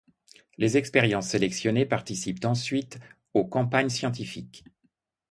Les expériences sélectionnées participent ensuite aux campagnes scientifiques.